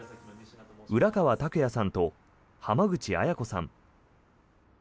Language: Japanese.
浦川拓也さんと濱口綾子さん。